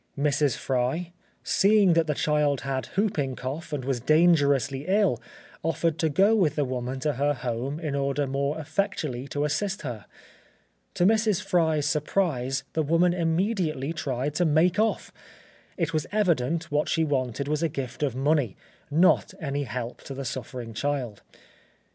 Mrs. Fry, seeing that the child had whooping cough and was dangerously ill, offered to go with the woman to her home in order more effectually to assist her. To Mrs. Fry's surprise, the woman immediately tried to make off; it was evident what she wanted was a gift of money, not any help to the suffering child. Mrs.